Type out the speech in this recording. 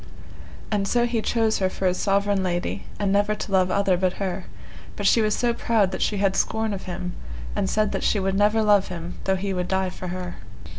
And so he chose her for his sovereign lady, and never to love other but her, but she was so proud that she had scorn of him, and said that she would never love him though he would die for her.